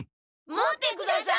持ってください！